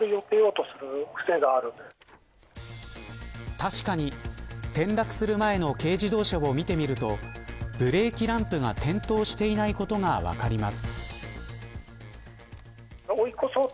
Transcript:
確かに転落する前の軽自動車を見てみるとブレーキランプが点灯していないことが分かります。